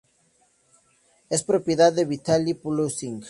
Es propiedad de Vitaly Publishing.